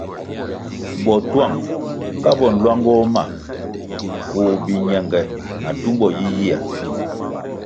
Botuang ka bo nluangoh ma koh biñenge na tumbo yiyia.